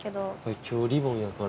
今日リボンやから。